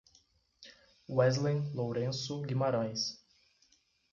Weslen Lourenco Guimaraes